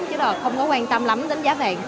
chứ là không có quan tâm lắm đến giá vàng